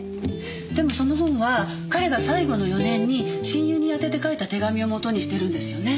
でもその本は彼が最後の４年に親友にあてて書いた手紙を元にしてるんですよね。